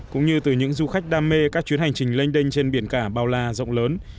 cũng như từ những du khách đam mê các chuyến hành trình lênh đênh trên biển cả bao la rộng lớn